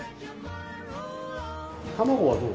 卵はどう？